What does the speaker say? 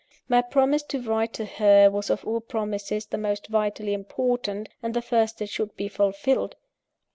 My promise to write to her, was of all promises the most vitally important, and the first that should be fulfilled.